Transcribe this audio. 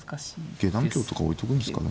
下段香とか置いとくんですかね。